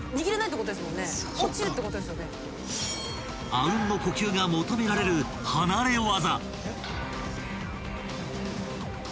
［あうんの呼吸が求められる離れ業］